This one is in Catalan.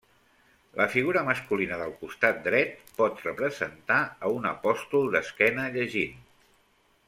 La figura masculina del costat dret pot representar a un apòstol d'esquena llegint.